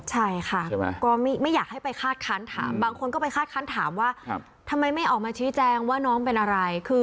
ใช่ค่ะก็ไม่อยากให้ไปคาดคันถามบางคนก็ไปคาดคันถามว่าทำไมไม่ออกมาชี้แจงว่าน้องเป็นอะไร